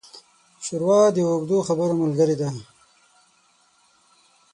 ښوروا د اوږدو خبرو ملګري ده.